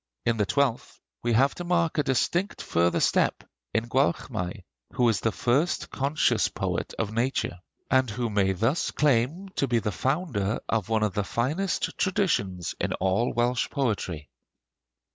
In the twelfth we have to mark a distinct further step in Gwalchmai, who is the first conscious poet of nature, and who may thus claim to be the founder of one of the finest traditions in all Welsh poetry.